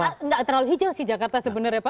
tapi tidak terlalu hijau sih jakarta sebenarnya pak